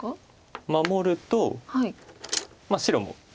守ると白も。